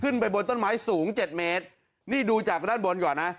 ขึ้นไปบนต้นไม้สูงเจ็ดเมตรนี่ดูจากด้านบนก่อนนะ